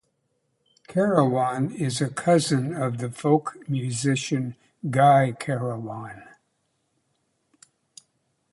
Carawan is a cousin of the folk musician Guy Carawan.